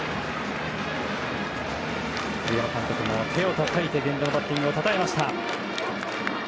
栗山監督も手をたたいて源田のバッティングをたたえました。